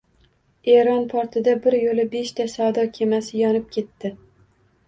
Eron portida biryo‘la beshta savdo kemasi yonib ketdi